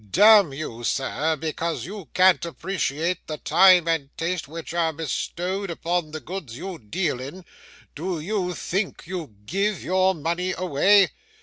D n you, sir, because you can't appreciate the time and taste which are bestowed upon the goods you deal in, do you think you give your money away?